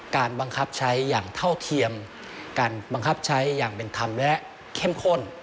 บังคับใช้อย่างเท่าเทียมการบังคับใช้อย่างเป็นธรรมและเข้มข้น